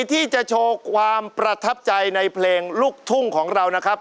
ที่จะโชว์ความประทับใจในเพลงลูกทุ่งของเรานะครับ